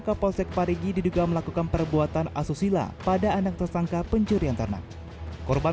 kapolsek parigi diduga melakukan perbuatan asusila pada anak tersangka pencurian ternak korban